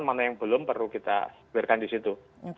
mana yang belum perlu kita biarkan di situ